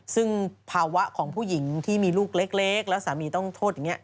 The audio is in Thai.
ซึ่งภาวะของผู้หญิงที่มีลูกเล็กแล้วสามีต้องโทษอย่างนี้